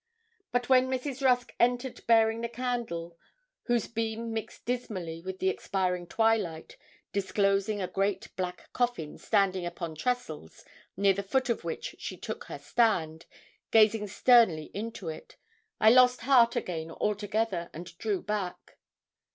But when Mrs. Rusk entered bearing the candle, whose beam mixed dismally with the expiring twilight, disclosing a great black coffin standing upon trestles, near the foot of which she took her stand, gazing sternly into it, I lost heart again altogether and drew back.